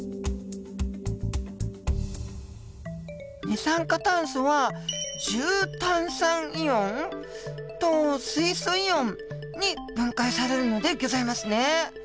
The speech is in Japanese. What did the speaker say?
二酸化炭素は重炭酸イオン？と水素イオンに分解されるのでギョざいますね。